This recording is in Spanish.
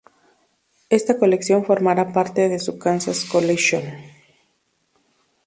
Esta colección formará parte de su Kansas Collection.